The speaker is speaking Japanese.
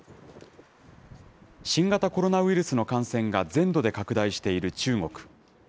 新型コロナウイルスの感染が全土で拡大している中国。